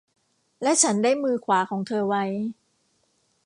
และฉันได้มือขวาของเธอไว้